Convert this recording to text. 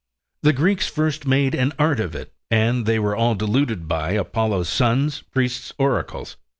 The Greeks first made an art of it, and they were all deluded by Apollo's sons, priests, oracles.